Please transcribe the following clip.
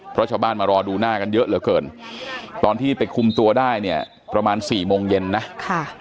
เพราะชาวบ้านมารอดูหน้ากันเยอะเหลือเกินตอนที่ไปคุมตัวได้เนี่ยประมาณสี่โมงเย็นนะค่ะ